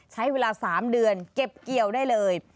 ใช้เวลา๓เดือนเก็บเกี่ยวได้เลย